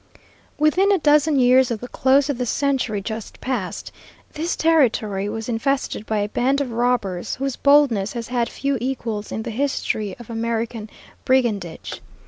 Within a dozen years of the close of the century just past, this territory was infested by a band of robbers, whose boldness has had few equals in the history of American brigandage.